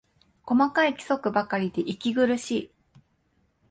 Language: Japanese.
細かい規則ばかりで息苦しい